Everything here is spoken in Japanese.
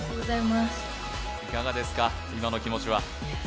いかがですか、今の気持ちは？